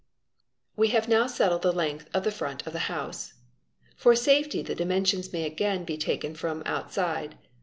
We have now settled the length of the front of the house. For safety the dimensions may again be taken from outside.